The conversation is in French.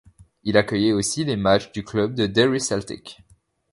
Il accueillait aussi les matches du club de Derry Celtic.